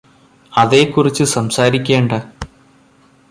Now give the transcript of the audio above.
അതേക്കുറിച്ച് സംസാരിക്കേണ്ട